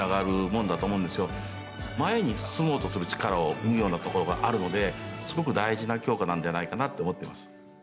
前に進もうとする力を生むようなところがあるのですごく大事な教科なんじゃないかなって思ってます。